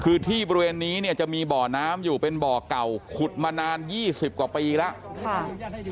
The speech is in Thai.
คือที่บริเวณนี้เนี่ยจะมีบ่อน้ำอยู่เป็นบ่อเก่าขุดมานาน๒๐กว่าปีแล้ว